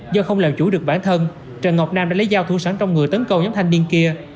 do không làm chủ được bản thân trần ngọc nam đã lấy dao thuắn trong người tấn công nhóm thanh niên kia